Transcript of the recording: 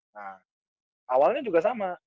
nah awalnya juga sama